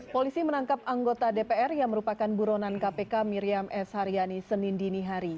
polisi menangkap anggota dpr yang merupakan buronan kpk miriam s haryani senin dinihari